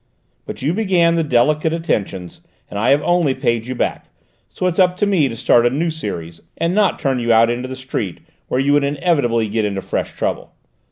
But you began the delicate attentions, and I have only paid you back, so it's up to me to start a new series and not turn you out into the street where you would inevitably get into fresh trouble.